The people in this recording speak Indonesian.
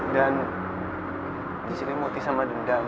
dan disini motih sama dendam